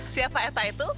siapa eta itu